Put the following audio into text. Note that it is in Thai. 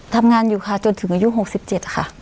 ทำงานอยู่ค่ะจนถึงอายุ๖๗ค่ะ